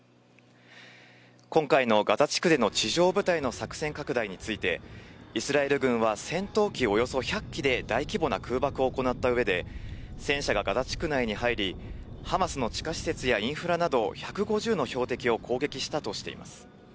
今回のガザ地区での地上部隊の作戦拡大について、イスラエル軍は戦闘機およそ１００機で大規模な空爆を行ったうえで、戦車がガザ地区内に入り、ハマスの地下施設やインフラなど１５０の標的を攻撃したとしています。